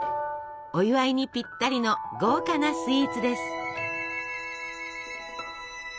お祝いにぴったりの豪華なスイーツです。